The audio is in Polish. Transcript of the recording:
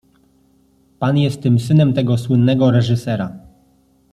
Pan jest tym synem tego słynnego reżysera.